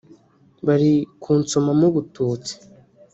bari kunsomamo ubututsi